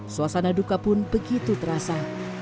suasana duka pun begitu terasa